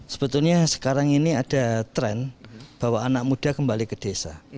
sebetulnya sekarang ini ada tren bahwa anak muda kembali ke desa